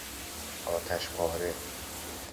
آتشپاره